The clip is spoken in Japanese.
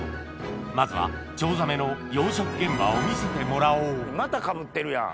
まずはチョウザメの養殖現場を見せてもらおうまたかぶってるやん。